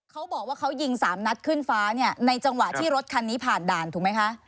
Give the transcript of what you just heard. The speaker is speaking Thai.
เขาบอกว่าเขายิงสามนัดขึ้นฟ้าเนี่ยในจังหวะที่รถคันนี้ผ่านด่านถูกไหมคะ